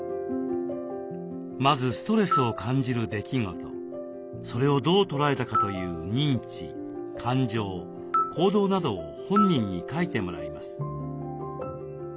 まずストレスを感じる出来事それをどう捉えたかという認知感情行動などを本人に書いてもらいます。